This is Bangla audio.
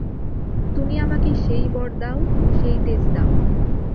তুমি আমাকে সেই বর দাও, সেই তেজ দাও।